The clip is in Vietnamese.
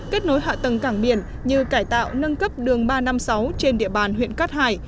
kết nối hạ tầng cảng biển như cải tạo nâng cấp đường ba trăm năm mươi sáu trên địa bàn huyện cát hải